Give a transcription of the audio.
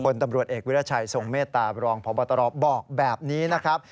ตำรวจเอกวิราชัยทรงเมตตาบรองพบตรบอกแบบนี้นะครับ